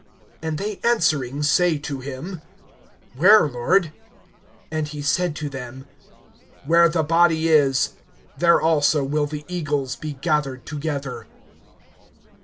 (37)And they answering say to him: Where, Lord? And he said to them: Where the body is, there also will the eagles be gathered together.